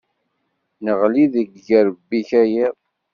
Neɣli deg yirrebi-k a yiḍ.